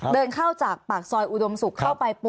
เดินเข้าจากปากซอยอุดมศุกร์เข้าไปปุ๊บ